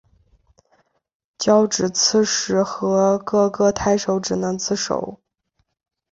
交址刺史和各个太守只能自守。